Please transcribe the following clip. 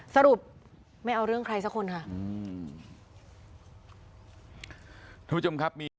สรุปไม่เอาเรื่องใครสักคนค่ะอืม